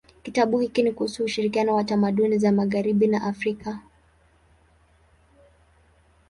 Kitabu hiki ni kuhusu ushirikiano wa tamaduni za magharibi na Afrika.